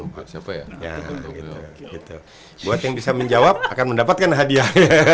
buat siapa yang bisa menjawab akan mendapatkan hadiah